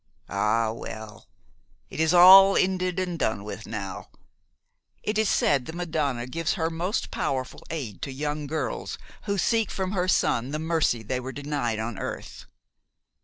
Ah, well! It is all ended and done with now. It is said the Madonna gives her most powerful aid to young girls who seek from her Son the mercy they were denied on earth.